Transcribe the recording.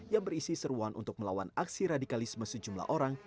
yang berisi seruan untuk melawan aksi radikalisme sejumlah orang